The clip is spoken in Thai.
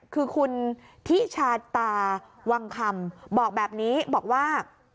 คือคุณทิชาตาวังคำบอกแบบนี้บอกว่า